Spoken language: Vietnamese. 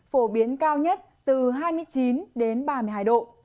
phổ biến cao nhất từ hai mươi chín đến ba mươi hai độ